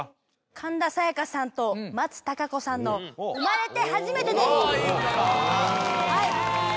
神田沙也加さんと松たか子さんの「生まれてはじめて」です・ああいい歌だへえ